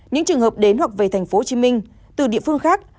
những trường hợp đến hoặc về tp hcm từ địa phương khác